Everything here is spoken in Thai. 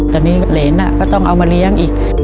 ตอนนี้เหรนก็ต้องเอามาเลี้ยงอีก